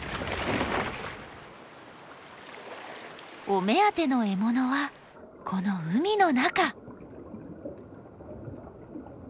お目当ての獲物はこの海の中。